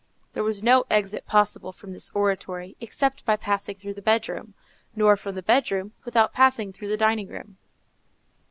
There was no exit possible from this oratory, except by passing through the bedroom, nor from the bedroom, without passing through the dining room.